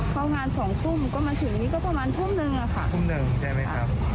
เข้างาน๒ทุ่มก็มาถึงนี้ก็ประมาณทุ่ม๑อะค่ะทุ่ม๑ใช่ไหมครับ